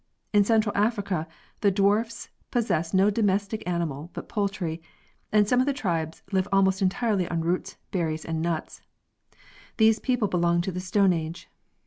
In central Africa the Dwarfs possess no domestic animal but poultry, and some of the tribes live almost entirely on roots,'berries and nuts. These people belong to the Stone age.